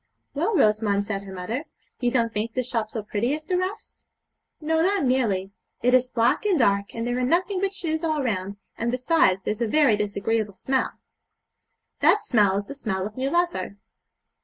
'Well, Rosamond,' said her mother, 'you don't think this shop so pretty as the rest?' 'No, not nearly; it is black and dark, and there are nothing but shoes all round, and, besides, there's a very disagreeable smell.' 'That smell is the smell of new leather.'